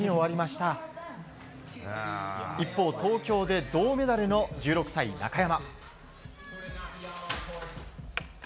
一方、東京で銅メダルの１６歳、中山。